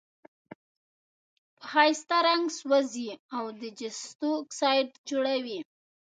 په ښایسته رنګ سوزي او د جستو اکسایډ جوړوي.